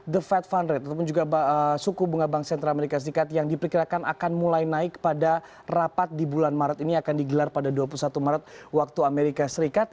the fed fund rate ataupun juga suku bunga bank sentral amerika serikat yang diperkirakan akan mulai naik pada rapat di bulan maret ini akan digelar pada dua puluh satu maret waktu amerika serikat